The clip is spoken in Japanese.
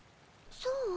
そう？